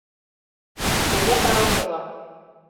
Всего хорошего!